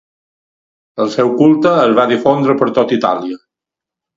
El seu culte es va difondre per tot Itàlia.